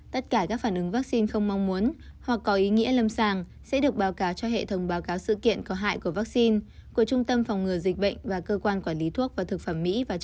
tất cả các phản ứng vaccine không mong muốn hoặc có ý nghĩa lâm sàng sẽ được báo cáo cho hệ thống báo cáo sự kiện có hại của vaccine của trung tâm phòng ngừa dịch bệnh và cơ quan quản lý thuốc và thực phẩm mỹ và trung quốc